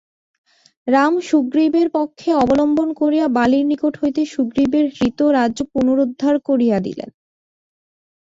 রাম সুগ্রীবের পক্ষ অবলম্বন করিয়া বালীর নিকট হইতে সুগ্রীবের হৃত রাজ্য পুনরুদ্ধার করিয়া দিলেন।